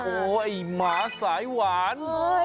โอ๊ยหมาสายหวาน